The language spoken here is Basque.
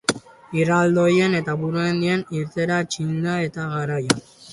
Erraldoien eta buruhandien irteera txistulariekin eta gaitariekin.